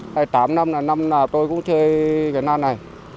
tại tám năm là năm là tôi cũng chơi cái lan này